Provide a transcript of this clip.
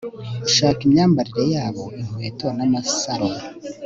ushaka imyambarire yabo, inkweto n'amasaro